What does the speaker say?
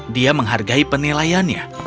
dia menghargai penilaiannya